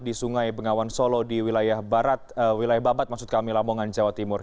di sungai bengawan solo di wilayah babat lamongan jawa timur